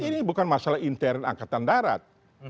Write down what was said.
ini bukan masalah intern angkatan darat